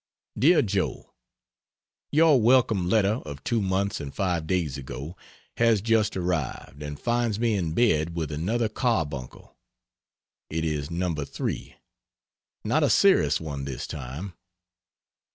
DEAR JOE, Your welcome letter of two months and five days ago has just arrived, and finds me in bed with another carbuncle. It is No. 3. Not a serious one this time.